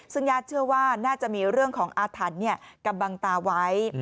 ซึ่งญาติเชื่อว่าน่าจะมีเรื่องของอาถรรพ์กำบังตาไว้